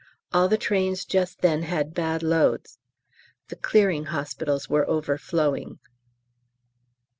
All the trains just then had bad loads: the Clearing Hospitals were overflowing.